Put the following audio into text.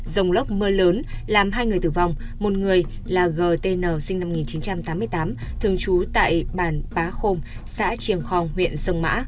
dông lốc mưa lớn làm hai người tử vong một người là g t n sinh năm một nghìn chín trăm tám mươi tám thường trú tại bản bá khôn xã triềng khong huyện sông mã